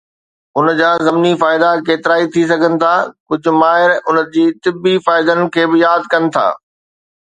ان جا ضمني فائدا ڪيترائي ٿي سگهن ٿا، ڪجهه ماهر ان جي طبي فائدن کي به ياد ڪن ٿا.